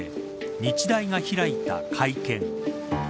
日大が開いた会見。